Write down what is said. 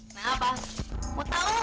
kau bawa timah